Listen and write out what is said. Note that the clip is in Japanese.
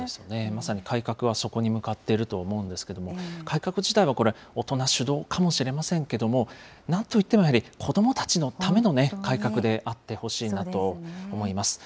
まさに改革はそこに向かっていると思うんですけれども、改革自体はこれ、大人主導かもしれませんけれども、なんといってもやはり、子どもたちのための改革であってほしいなと思います。